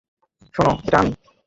শোনো, এটা আমি!